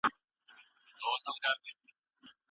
لويې جرګي به د نړيوالو ځواکونو سره نوي تړونونه لاسليک کړي وي.